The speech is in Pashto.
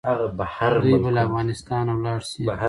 دوی به له افغانستانه ولاړ سي.